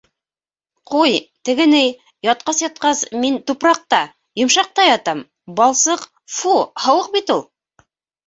Ҡуй, теге ни, ятҡас-ятҡас, мин тупраҡта, йомшаҡта ятам, балсыҡ, фу, һыуыҡ бит ул...